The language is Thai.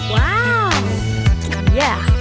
ว้าว